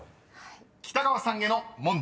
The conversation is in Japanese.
［北川さんへの問題］